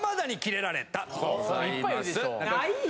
ないよ